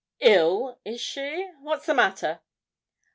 'Ill! is she? what's the matter?'